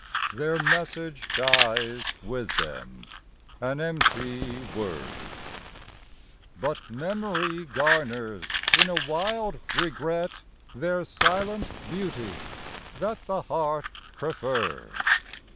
Their message dies with them, an empty word ; But memory garners, in a wild regret, Their silent beauty that the heart preferred.